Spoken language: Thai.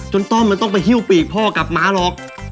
ต้อมมันต้องไปหิ้วปีกพ่อกลับมาหรอก